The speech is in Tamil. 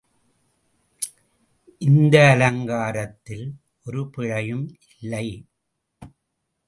இந்த அலங்காரத்தில் ஒரு பிழையும் இல்லை.